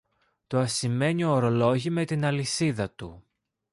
το ασημένιο ωρολόγι με την αλυσίδα του